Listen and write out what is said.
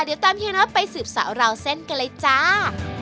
เดี๋ยวตามเฮียน็อตไปสืบสาวราวเส้นกันเลยจ้า